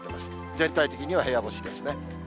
全体的には部屋干しですね。